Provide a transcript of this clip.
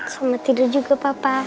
selamat tidur juga papa